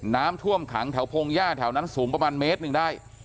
น้ำท่วมขังแถวพงหญ้าแถวนั้นสูงประมาณเมตรหนึ่งได้